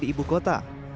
di ibu kota